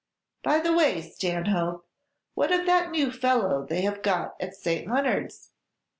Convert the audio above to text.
By the way, Stanhope, what of that new fellow they have got at St. Leonard's?